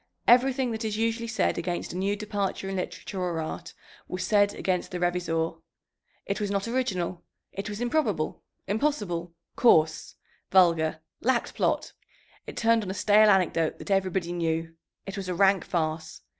Everything that is usually said against a new departure in literature or art was said against the Revizor. It was not original. It was improbable, impossible, coarse, vulgar; lacked plot. It turned on a stale anecdote that everybody knew. It was a rank farce.